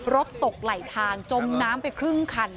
รถตกไหลทางจมน้ำไปครึ่งคัน